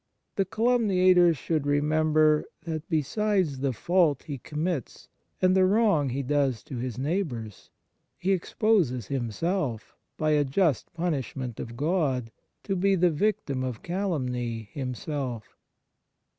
The calumniator should remember that, besides the fault he commits and the wrong he does to his neighbours, he exposes himself, by a just punishment of God, to be the victim of calumny himself.